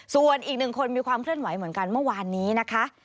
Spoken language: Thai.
ส่วนอีกหนึ่งคนมีความเคลื่อนไหวเหมือนกันเมื่อวานนี้นะคะ